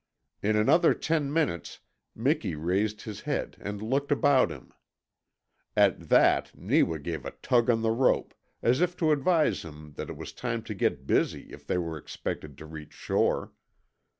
In another ten minutes Miki raised his head and looked about him. At that Neewa gave a tug on the rope, as if to advise him that it was time to get busy if they were expected to reach shore.